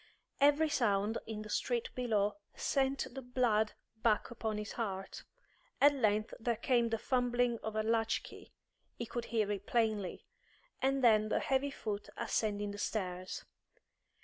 Every sound in the street below sent the blood back upon his heart. At length there came the fumbling of a latch key he could hear it plainly and then the heavy foot ascending the stairs.